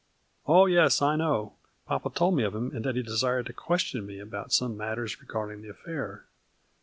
" Oh, yes, I know. Papa told me of him, and that he desired to question me about some matters regarding the affair.